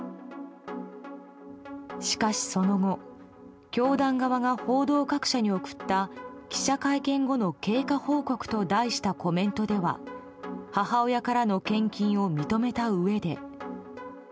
しかし、その後教団側が報道各社に送った記者会見後の経過報告と題したコメントでは母親からの献金を認めたうえで。